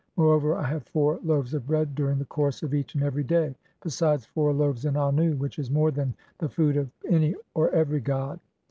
Moreover, I have four "loaves of bread during the course (17) of each and every day, "besides four loaves in Annu, which is more than [the food] "of any (or every) god'.